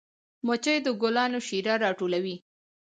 مچۍ د ګلانو شیره راټولوي